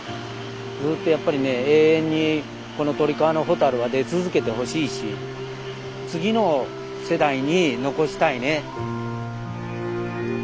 ずっとやっぱりね永遠にこの鳥川のホタルは出続けてほしいし次の世代に残したいね。